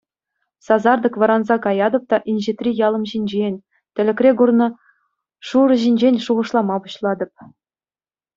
Сасартӑк вӑранса каятӑп та инҫетри ялӑм ҫинчен, тӗлӗкре курнӑ Шура ҫинчен шухӑшлама пуҫлатӑп.